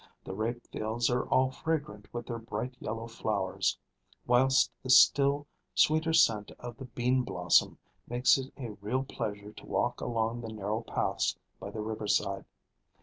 The rape fields are all fragrant with their bright yellow flowers; whilst the still sweeter scent of the bean blossom makes it a real pleasure to walk along the narrow paths by the river side.